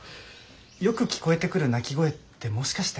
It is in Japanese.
よく聞こえてくる泣き声ってもしかして。